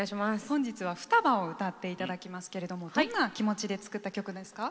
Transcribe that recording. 本日は「双葉」を歌っていただきますけれどもどんな気持ちで作った曲ですか？